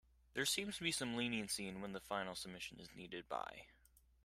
There seems to be some leniency in when the final submission is needed by.